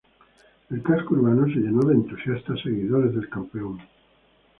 El casco urbano se llenó de entusiastas seguidores del campeón.